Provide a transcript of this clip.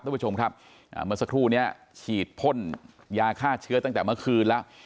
ทุกผู้ชมครับเมื่อสักครู่นี้ฉีดพ่นยาฆ่าเชื้อตั้งแต่เมื่อคืนแล้ว